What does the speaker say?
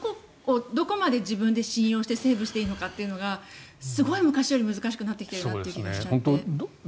どこまで自分で信用してセーブしていいのかがすごい、昔より難しくなっているなという気がしちゃって。